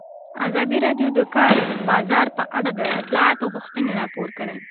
ازادي راډیو د د کار بازار په اړه د اصلاحاتو غوښتنې راپور کړې.